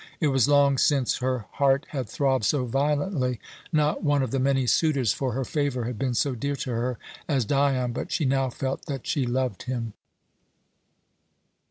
It was long since her heart had throbbed so violently. Not one of the many suitors for her favour had been so dear to her as Dion; but she now felt that she loved him.